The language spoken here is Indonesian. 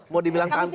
mau dibilang kanta